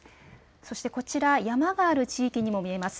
そして、こちら山がある地域にも見えます。